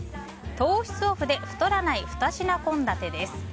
糖質オフで太らない２品献立です。